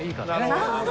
なるほど。